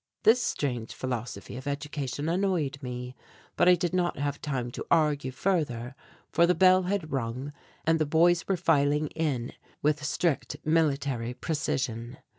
This strange philosophy of education annoyed me, but I did not have time to argue further for the bell had rung and the boys were filing in with strict military precision.